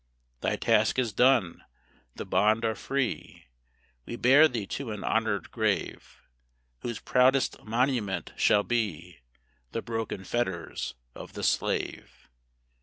Thy task is done; the bond are free: We bear thee to an honored grave, Whose proudest monument shall be The broken fetters of the slave.